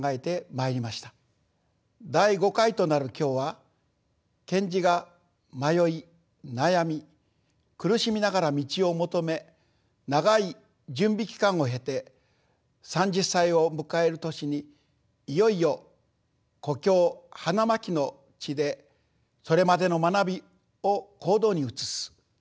第５回となる今日は賢治が迷い悩み苦しみながら道を求め長い準備期間を経て３０歳を迎える年にいよいよ故郷花巻の地でそれまでの学びを行動に移す。